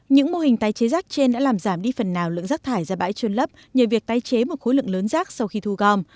những mô hình tái chế rác trên đã làm giảm đi phần nào lượng rác thải ra bãi trôn lấp nhờ việc tái chế một khối lượng lớn rác sau khi thu gom